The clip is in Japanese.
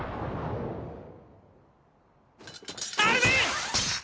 アルミン！